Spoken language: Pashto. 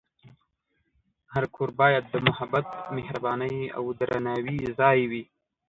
هر کور باید د محبت، مهربانۍ، او درناوي ځای وي.